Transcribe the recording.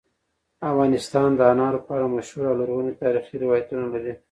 افغانستان د انارو په اړه مشهور او لرغوني تاریخی روایتونه لري.